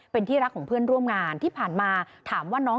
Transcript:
เป็นที่รักของเพื่อนร่วมงานที่ผ่านมาถามว่าน้อง